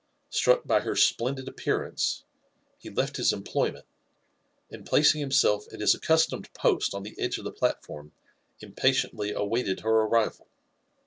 Struck by her splendid appear ance, he left his employment, and placing himself at his accustomed post on the edge of the platform, impatiently awaited her arrival.